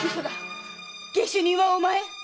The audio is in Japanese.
下手人はお前。